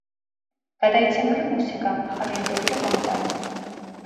გადაიცემოდა მუსიკა, ახალი ამბები და კომენტარები.